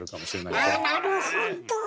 あなるほど！